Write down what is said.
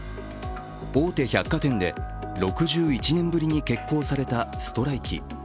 大手百貨店で６１年ぶりに決行されたストライキ。